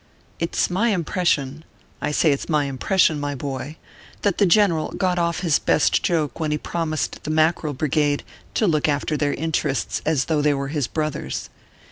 It s my impression I say it s my impression, my boy, that the general got off his best joke when he promised the Mackerel Brigade to look after their interests as though they were his brothers.